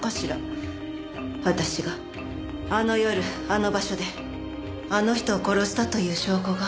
私があの夜あの場所であの人を殺したという証拠が。